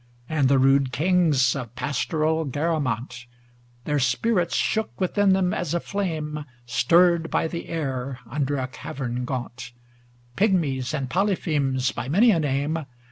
And the rude kings of pastoral Garamant; Their spirits shook within them, as a flame Stirred by the air under a cavern gaunt; Pygmies, and Polyphemes, by many a name.